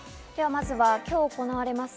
まずは今日行われます